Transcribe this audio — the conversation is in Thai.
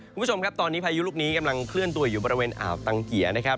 คุณผู้ชมครับตอนนี้พายุลูกนี้กำลังเคลื่อนตัวอยู่บริเวณอ่าวตังเกียร์นะครับ